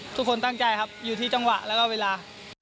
ทุกคนตั้งใจครับอยู่ที่จังหวะแล้วก็เวลา